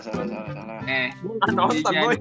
hotel gara gara palawar